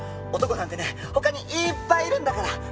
男なんてね他にいっぱいいるんだから。